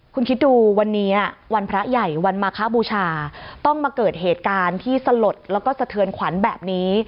คุณคิดดูวันนี้วันพระใหญ่วันมาคบูชาต้องมาเกิดเหตุการณ์ที่สลดแล้วก็สะเทือนขวัญแบบนี้